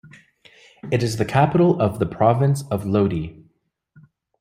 It is the capital of the province of Lodi.